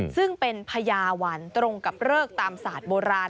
ซึ่งเป็นพญาวันตรงกับเริกตามศาสตร์โบราณ